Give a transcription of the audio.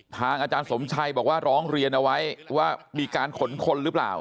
อาจารย์สมชัยบอกว่าร้องเรียนเอาไว้ว่ามีการขนคนหรือเปล่า